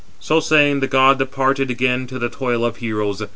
So saying, the god departed again to the toil of heroes.